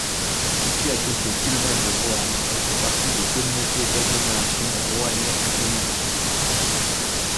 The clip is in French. Située à quelques kilomètres de Roanne elle fait partie de communauté d'agglomération Roannais Agglomération.